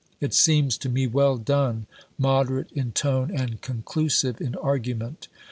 It seems to me well done, moderate in tone, and conclusive in argument."